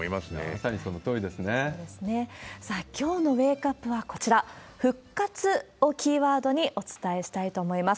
さあ、きょうのウェークアップは、こちら、復活をキーワードにお伝えしたいと思います。